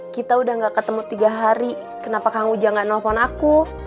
kita udah gak ketemu tiga hari kenapa kang ujang gak nelfon aku